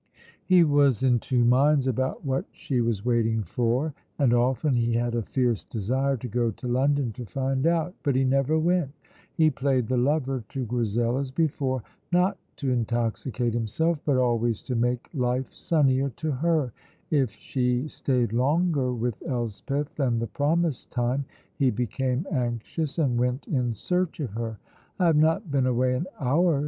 He was in two minds about what she was waiting for, and often he had a fierce desire to go to London to find out. But he never went. He played the lover to Grizel as before not to intoxicate himself, but always to make life sunnier to her; if she stayed longer with Elspeth than the promised time, he became anxious and went in search of her. "I have not been away an hour!"